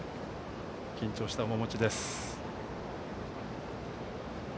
緊張した面持ちです。